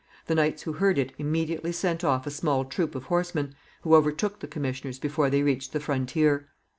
The knights who heard it immediately sent off a small troop of horsemen, who overtook the commissioners before they reached the frontier.